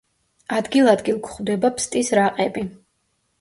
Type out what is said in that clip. ადგილ-ადგილ გვხვდება ფსტის რაყები.